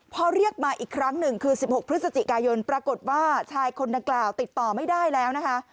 พอเรียกมาอีกครั้งหนึ่งคือ๑๖พฤศจิกายนปรากฏว่าชายคนดังกล่าวติดต่อไม่ได้แล้วนะคะ